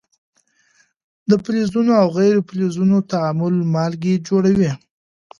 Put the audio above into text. د فلزونو او غیر فلزونو تعامل مالګې جوړوي.